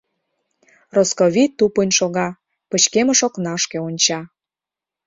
Росковий тупынь шога, пычкемыш окнашке онча.